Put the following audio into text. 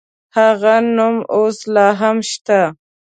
هغه نوم اوس لا هم شته.